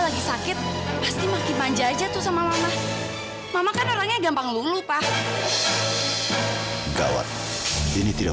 lagi sakit pasti makin panja aja tuh sama mama kan orangnya gampang lulu pak gawat ini dia